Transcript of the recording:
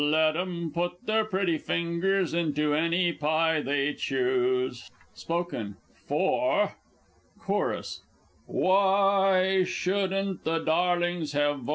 _) Let 'em put their pretty fingers into any pie they choose! Spoken For Chorus Why shouldn't the darlings, &c.